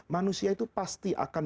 manusia itu pasti akan